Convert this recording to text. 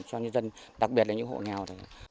cho nhân dân đặc biệt là những hộ nghèo